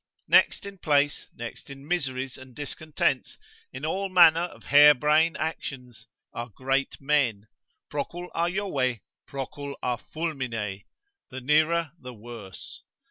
Next in place, next in miseries and discontents, in all manner of hair brain actions, are great men, procul a Jove, procul a fulmine, the nearer the worse.